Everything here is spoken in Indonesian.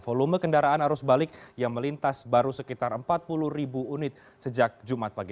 volume kendaraan arus balik yang melintas baru sekitar empat puluh ribu unit sejak jumat pagi